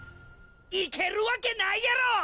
行けるわけないやろ！